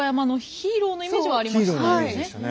ヒーローのイメージでしたね。